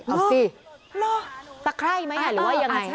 เอาสิตะไคร่ไหมหรือว่ายังไง